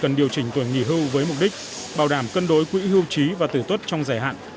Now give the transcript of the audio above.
việc cần điều chỉnh tuổi nghỉ hưu với mục đích bảo đảm cân đối quỹ hưu trí và tử tốt trong giải hạn